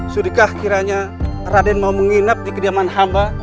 sudahkah kiranya raden mau menginap di kediaman hamba